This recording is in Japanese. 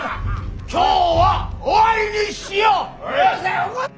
今日は終わりにしよう。